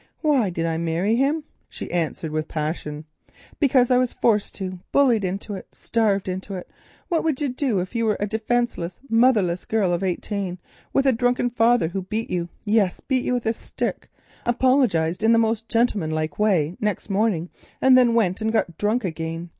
"Why did I marry him?" she answered with passion, "because I was forced into it, bullied into it, starved into it. What would you do if you were a defenceless, motherless girl of eighteen, with a drunken father who beat you—yes, beat you with a stick—apologised in the most gentlemanlike way next morning and then went and got drunk again?